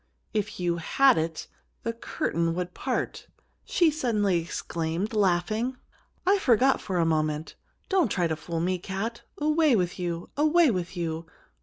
"If you had it, the curtain would part!" she suddenly exclaimed, laughing. "I forgot for a moment! Don't try to fool me, Cat! Away with you! Away with you!